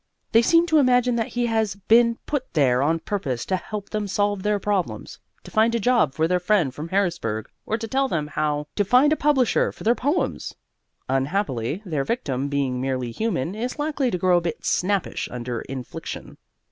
They seem to imagine that he has been put there on purpose to help them solve their problems, to find a job for their friend from Harrisburg, or to tell them how to find a publisher for their poems. Unhappily, their victim being merely human, is likely to grow a bit snappish under infliction.